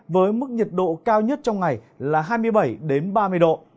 với mức nhiệt độ cao nhất trong ngày là hai mươi bảy ba mươi độ